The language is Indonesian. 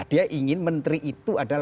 dia ingin menteri itu adalah